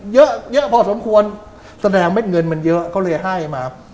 เยอะเยอะพอสมควรแสดงเม็ดเงินมันเยอะก็เลยให้มา